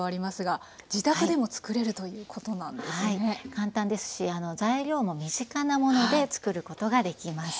簡単ですし材料も身近なもので作ることができます。